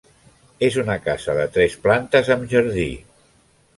És una casa de tres plantes amb jardí.